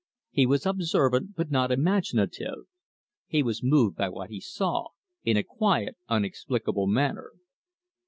He was observant, but not imaginative; he was moved by what he saw, in a quiet, unexplainable manner.